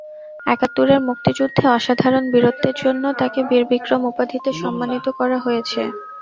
একাত্তুরের মুক্তিযুদ্ধে অসাধারণ বীরত্বের জন্যে তাকে বীর বিক্রম উপাধিতে সম্মানিত করা হয়েছে।